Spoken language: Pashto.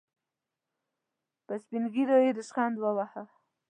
په سپين ږيرو يې ريشخند وواهه.